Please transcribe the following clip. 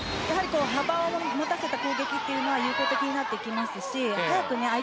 幅を持たせた攻撃が有効になってきますし空い